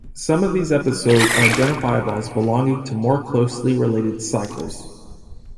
Some of these episodes are identifiable as belonging to more closely related "cycles".